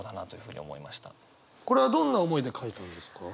これはどんな思いで書いたんですか？